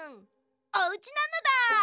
おうちなのだ。